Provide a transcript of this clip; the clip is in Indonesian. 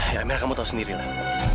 ya amira kamu tau sendirilah